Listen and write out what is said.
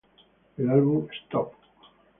El álbum "Stop!